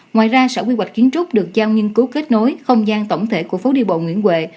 ngoài ra sở quy hoạch kiến trúc được giao nghiên cứu kết nối không gian tổng thể của phố đi bộ nguyễn huệ